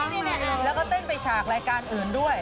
นี่แล้วก็เต้นไปฉากรายการอื่นด้วย